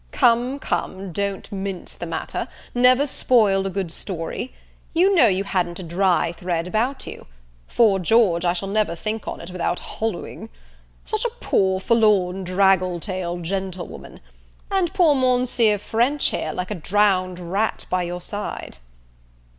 Come, come, don't mince the matter, never spoil a good story; you know you hadn't a dry thread about you 'Fore George, I shall never think on't without hollooing! such a poor forlorn draggle tailed gentlewoman! and poor Monseer French, here, like a drowned rat, by your side!